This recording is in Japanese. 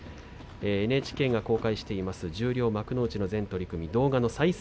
ＮＨＫが公開しています、十両幕内の全取組、動画の再生